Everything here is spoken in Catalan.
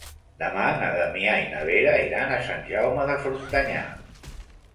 Demà na Damià i na Vera iran a Sant Jaume de Frontanyà.